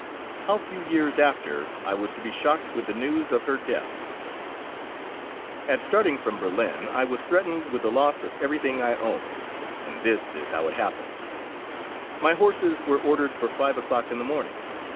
how few years after I was to be shocked with the news of her death. [Illustration: WOMAN PAINTING.] At starting from Berlin I was threatened with the loss of everything I owned, and this is how it happened: My horses were ordered for five o'clock in the morning.